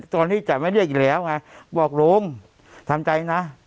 ตอนที่จะไม่เรียกอีกแล้วไงบอกลุงทำใจนะ